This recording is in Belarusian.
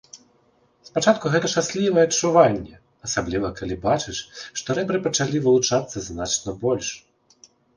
Спачатку гэта шчаслівае адчуванне, асабліва калі бачыш, што рэбры пачалі вылучацца значна больш.